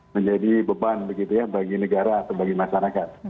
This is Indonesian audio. menjadi beban begitu ya bagi negara atau bagi masyarakat